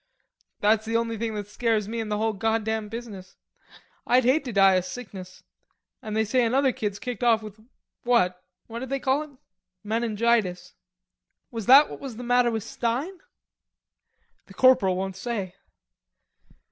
"That's the only thing that scares me in the whole goddam business. I'd hate to die o' sickness... an' they say another kid's kicked off with that what d'they call it? menegitis." "Was that what was the matter with Stein?" "The corporal won't say."